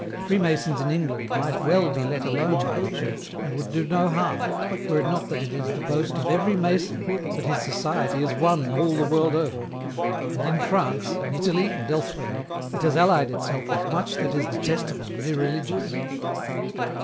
Freemasons in England might well be let alone by the Church, and would do no harm, were it not that it is the boast of every Mason that his society is one all the world over ; and in France, in Italy, and elsewhere, it has allied itself with much that is detestable and irreligious.